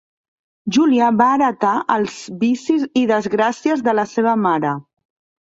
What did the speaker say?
Júlia va heretar els vicis i desgràcies de la seva mare.